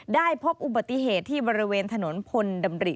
พบอุบัติเหตุที่บริเวณถนนพลดำริ